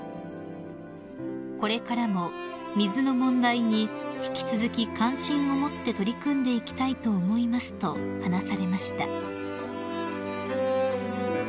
「これからも水の問題に引き続き関心を持って取り組んでいきたいと思います」と話されました］